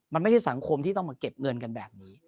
มันไม่ใช่สังคมที่ต้องมาเก็บเงินกันแบบนี้